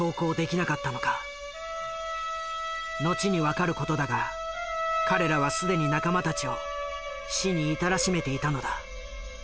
後に分かる事だが彼らは既に仲間たちを死に至らしめていたのだ。